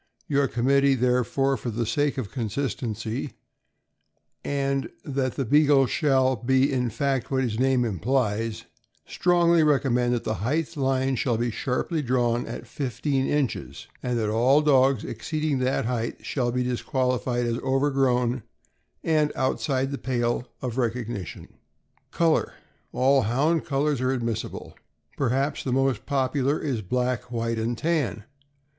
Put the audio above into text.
Your committee, therefore, for the sake of consistency, and that the Beagle shall be in fact what his name implies, strongly recommend that the height line shall be sharply drawn at fifteen inches, and that all dogs exceeding that height shall be disqualified as overgrown and outside the pale of recog nition. Color. — All Hound colors are admissible. Perhaps the most popular is black, white, and tan.